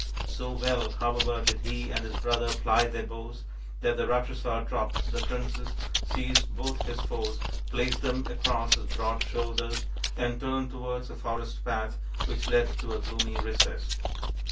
So well, however, did he and his brother ply their bows, that the Rakshasa dropped the princess, seized both his foes, placed them across his broad shoulders, and turned towards a forest path which led into a gloomy recess.